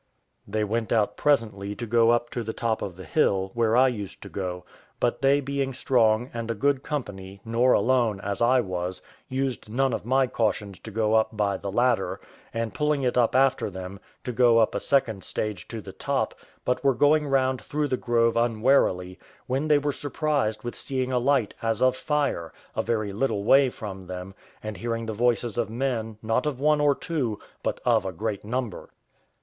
They went out presently to go up to the top of the hill, where I used to go; but they being strong, and a good company, nor alone, as I was, used none of my cautions to go up by the ladder, and pulling it up after them, to go up a second stage to the top, but were going round through the grove unwarily, when they were surprised with seeing a light as of fire, a very little way from them, and hearing the voices of men, not of one or two, but of a great number.